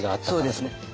そうですね。